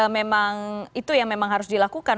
memang itu yang memang harus dilakukan